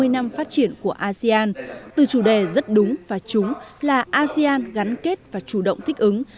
ba mươi năm phát triển của asean từ chủ đề rất đúng và trúng là asean gắn kết và chủ động thích ứng